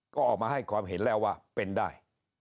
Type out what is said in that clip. ก็ออกมาให้ความเห็นแล้วว่าเป็นได้